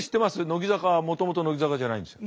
乃木坂はもともと乃木坂じゃないんですよ。